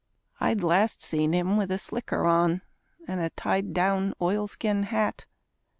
(I'd seen him last with a slicker on and a tied down oilskin hat.)